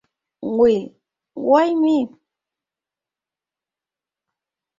Will: "Why Me?